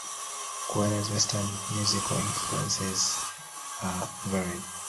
Kuwata's Western musical influences are varied.